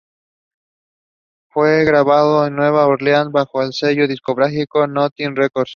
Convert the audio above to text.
Fue grabado en Nueva Orleans, bajo el sello discográfico Nothing Records.